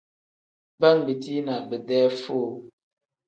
Baa ngbetii na bidee foo.